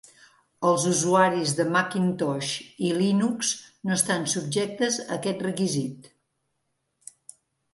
Els usuaris de Macintosh i Linux no estan subjectes a aquest requisit.